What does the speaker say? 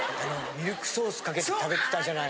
ミルクソースかけて食べてたじゃない。